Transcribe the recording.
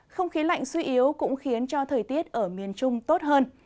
không khí lạnh suy yếu cũng khiến cho thời tiết ở miền trung tốt hơn